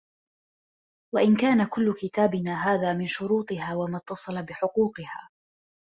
وَإِنْ كَانَ كُلُّ كِتَابِنَا هَذَا مِنْ شُرُوطِهَا وَمَا اتَّصَلَ بِحُقُوقِهَا